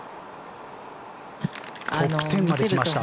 トップ１０まで来ました。